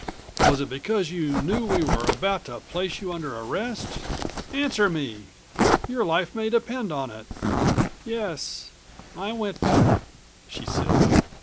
Was it because you knew we were about to place you under arrest? Answer me! Your life may depend on it." "Yes ... I went back," she said.